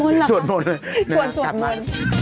กลับมา